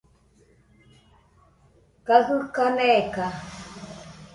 kaɨ jɨka neka